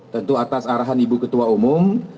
tentu atas arahan ibu ketua umum